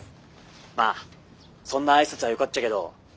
まあそんな挨拶はよかっちゃけど。